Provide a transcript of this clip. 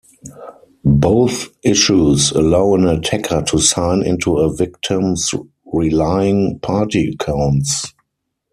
Both issues allow an attacker to sign into a victim's relying party accounts.